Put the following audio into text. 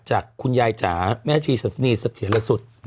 จากคุณยายจ๋าแม่ชีสัติริสัทธิ์เหลือสุด